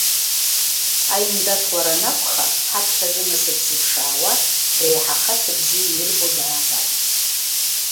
Аиндаҭлара анакәха, ҳаԥхьа зынасыԥ зыԥшаауа, реиҳа ахацәа бзиа ирбо даабап.